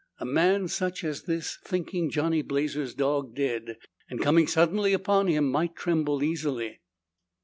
A man such as this, thinking Johnny Blazer's dog dead and coming suddenly upon him, might tremble easily.